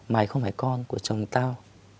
mày không phải con của chồng tao